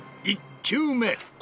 １球目。